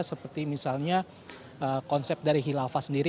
seperti misalnya konsep dari hilafah sendiri